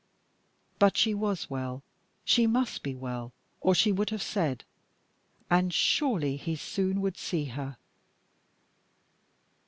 But she was well she must be well, or she would have said, and surely he soon would see her.